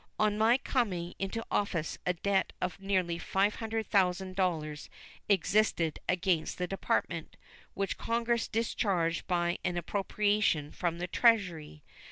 On my coming into office a debt of nearly $500,000 existed against the Department, which Congress discharged by an appropriation from the Treasury.